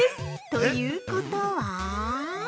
ということは？